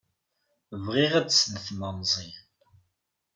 Bɣiɣ ad snetmeɣ Meẓyan.